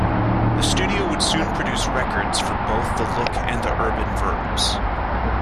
The studio would soon produce records for both the Look and the Urban Verbs.